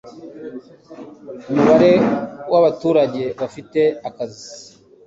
umubare w'abaturage bafite akazi